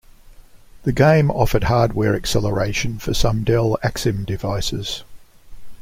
The game offered hardware acceleration for some Dell Axim devices.